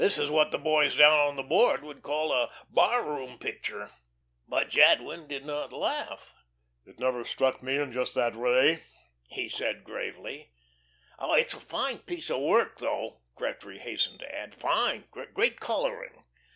This is what the boys down on the Board would call a bar room picture." But Jadwin did not laugh. "It never struck me in just that way," he said, gravely. "It's a fine piece of work, though," Gretry hastened to add. "Fine, great colouring."